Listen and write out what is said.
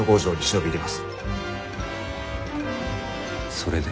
それで？